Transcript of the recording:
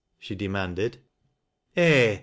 " she demanded " En !